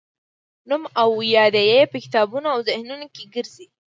نوم او یاد یې په کتابونو او ذهنونو کې ګرځي.